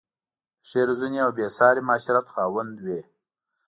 د ښې روزنې او بې ساري معاشرت خاوند وې.